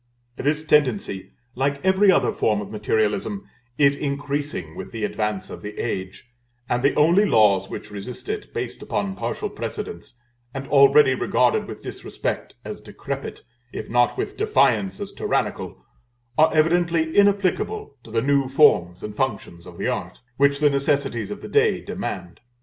This tendency, like every other form of materialism, is increasing with the advance of the age; and the only laws which resist it, based upon partial precedents, and already regarded with disrespect as decrepit, if not with defiance as tyrannical, are evidently inapplicable to the new forms and functions of the art, which the necessities of the day demand.